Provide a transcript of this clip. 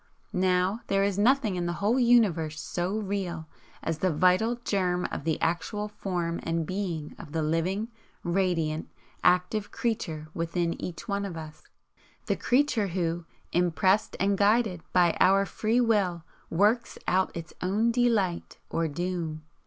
Now there is nothing in the whole Universe so REAL as the Vital Germ of the actual Form and Being of the living, radiant, active Creature within each one of us, the creature who, impressed and guided by our Free Will, works out its own delight or doom.